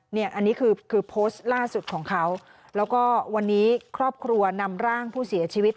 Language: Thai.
อันนี้คือโพสต์ล่าสุดของเขาแล้วก็วันนี้ครอบครัวนำร่างผู้เสียชีวิต